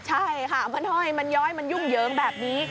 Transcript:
ใช่ค่ะมันห้อยมันย้อยมันยุ่งเหยิงแบบนี้